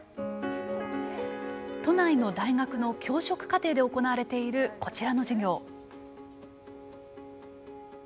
都内の大学の教職課程で行われているこちらの授業。